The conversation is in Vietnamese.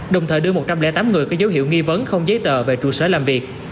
đồng thời đưa một trăm linh tám người có dấu hiệu nghi vấn không giấy tờ về trụ sở làm việc